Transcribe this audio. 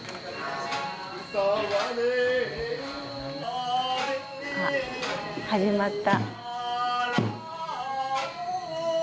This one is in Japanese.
あっ始まった。